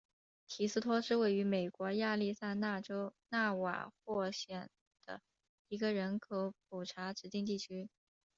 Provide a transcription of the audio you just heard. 提斯托是位于美国亚利桑那州纳瓦霍县的一个人口普查指定地区。